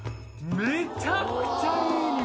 めちゃくちゃいい匂い！